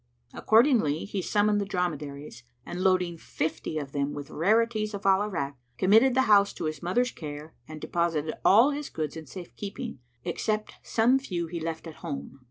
Accordingly he summoned the dromedaries and loading fifty of them with rarities of Al Irak, committed the house to his mother's care and deposited all his goods in safe keeping, except some few he left at home.